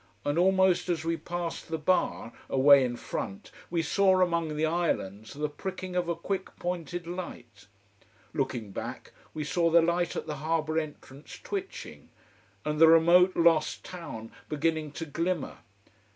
And almost as we passed the bar, away in front we saw, among the islands, the pricking of a quick pointed light. Looking back, we saw the light at the harbour entrance twitching: and the remote, lost town beginning to glimmer.